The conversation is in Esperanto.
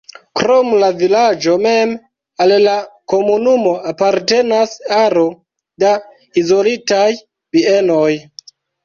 Krom la vilaĝo mem al la komunumo apartenas aro da izolitaj bienoj.